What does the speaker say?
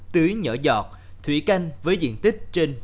tưới nhỏ giọt thủy canh với diện tích trên